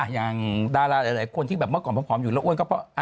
อย่างดาราหลายคนที่แบบเมื่อก่อนผอมอยู่แล้วอ้วนก็เพราะ